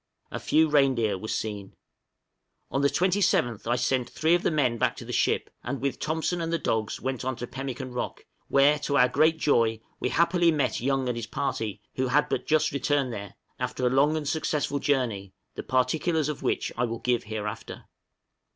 A few reindeer were seen. {YOUNG RETURNS SAFELY.} On the 27th I sent three of the men back to the ship, and with Thompson and the dogs went on to Pemmican Rock, where, to our great joy, we happily met Young and his party, who had but just returned there, after a long and successful journey the particulars of which I will give hereafter.